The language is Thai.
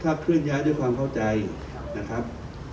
ถ้าเคลื่อนย้ายด้วยความเข้าใจนะครับ